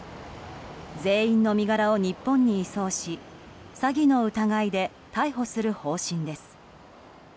全員の身柄を日本に移送し詐欺の疑いで逮捕する方針です。